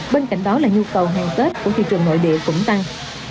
bên cạnh đó là nhu cầu hàng tết của thị trường nội địa cũng tăng